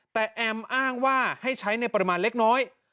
แต่แอมอ้างว่าให้ใช้ในปริมาณเล็กน้อย